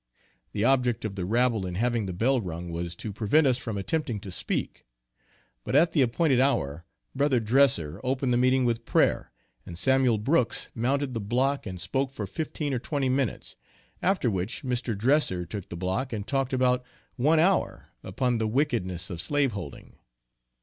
The object of the rabble in having the bell rung was, to prevent us from attempting to speak. But at the appointed hour, Bro. Dresser opened the meeting with prayer, and Samuel Brooks mounted the block and spoke for fifteen or twenty minutes, after which Mr. Dresser took the block and talked about one hour upon the wickedness of slaveholding.